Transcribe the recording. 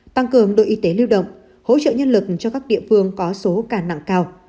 tăng cường đội y tế lưu động hỗ trợ nhân lực cho các địa phương có số ca nặng cao